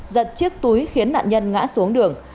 giật chiếc túi khiến nạn nhân ngã xuống đường